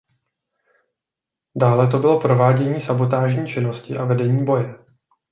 Dále to bylo provádění sabotážní činnosti a vedení boje.